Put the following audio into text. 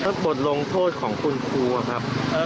แล้วบทลงโทษของคุณครูว่าครับ